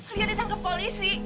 lia ditangkep polisi